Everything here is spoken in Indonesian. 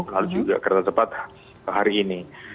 harus juga kereta cepat hari ini